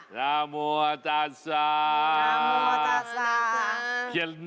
คาถาที่สำหรับคุณ